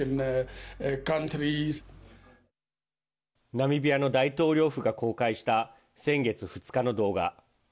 ナミビアの大統領府が公開した先月２日の動画。